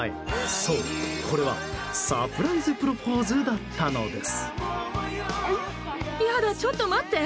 そう、これはサプライズプロポーズだったのです！